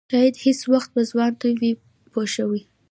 شاید هېڅ وخت به ځوان نه وي پوه شوې!.